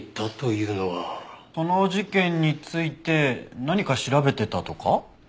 その事件について何か調べてたとか？